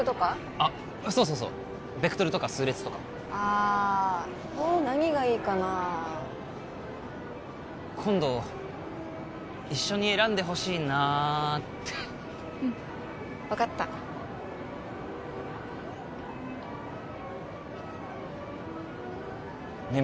あっそうそうそうベクトルとか数列とかあ何がいいかな今度一緒に選んでほしいなってうん分かったねえ